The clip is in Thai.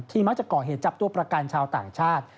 มักจะก่อเหตุจับตัวประกันชาวต่างชาติ